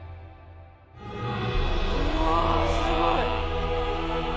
うわすごい！